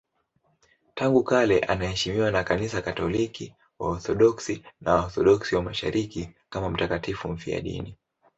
Tangu kale anaheshimiwa na Kanisa Katoliki, Waorthodoksi na Waorthodoksi wa Mashariki kama mtakatifu mfiadini.